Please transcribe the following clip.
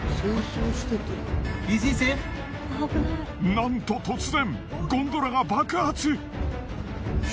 なんと突然ゴンドラが爆発！